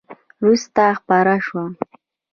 وروسته خپره شوه !